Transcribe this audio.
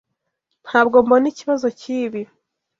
Ntabwo mbona ikibazo cyibi.